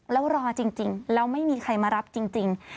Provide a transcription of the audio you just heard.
แล้วรอจริงแล้วไม่มีใครมารับจริง